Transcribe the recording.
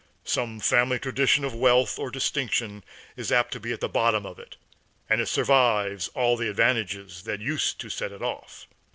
Some family tradition of wealth or distinction is apt to be at the bottom of it, and it survives all the advantages that used to set it off.